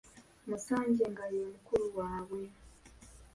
Musanje nga ye mukulu waabwe.